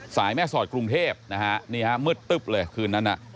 แม่สอดกรุงเทพนะฮะนี่ฮะมืดตึ๊บเลยคืนนั้นน่ะ